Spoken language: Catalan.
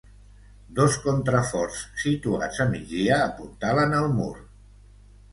Dos contraforts situats a migdia apuntalen el mur.